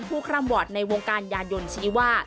ผู้คลำบอดในวงการยานยนต์ชีวา